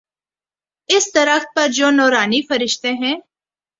اس درخت پر جو نوارنی فرشتے ہیں۔